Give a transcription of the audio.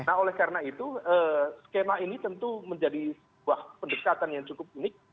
nah oleh karena itu skema ini tentu menjadi sebuah pendekatan yang cukup unik